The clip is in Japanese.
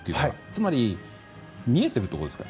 つまり見えてるということですか。